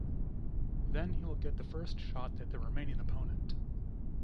Then he will get the first shot at the remaining opponent.